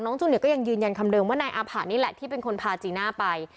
จูเนียก็ยังยืนยันคำเดิมว่านายอาผะนี่แหละที่เป็นคนพาจีน่าไป